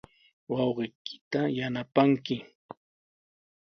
Wawqiykita yanapanki.